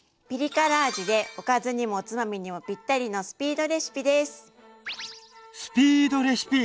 ピリ辛味でおかずにもおつまみにもぴったりのスピードレシピです。